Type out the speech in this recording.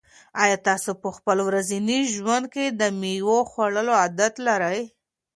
آیا تاسو په خپل ورځني ژوند کې د مېوو خوړلو عادت لرئ؟